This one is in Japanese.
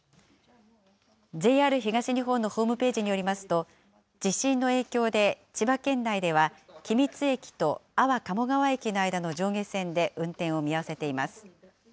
ＪＲ東日本のホームページによりますと、地震の影響で千葉県内では君津駅と安房鴨川駅の間の上下線で運転を見合わせています。